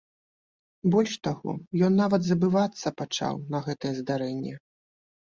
Больш таго, ён нават забывацца пачаў на гэтае здарэнне.